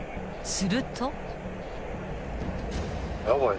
［すると］